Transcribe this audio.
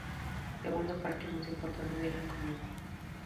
Segundo Parque más importante de la comuna.